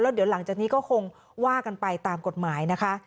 เดี๋ยวหลังจากนี้ก็คงว่ากันไปตามกฎหมายนะคะ